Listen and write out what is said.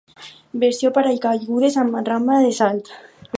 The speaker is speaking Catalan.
Versió paracaigudes, amb rampa de salt.